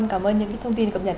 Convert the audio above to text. cảm ơn những thông tin cập nhật